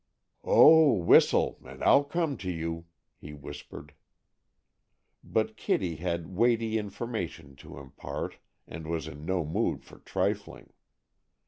"Oh, whistle, and I'll come to you," he whispered. But Kitty had weighty information to impart, and was in no mood for trifling.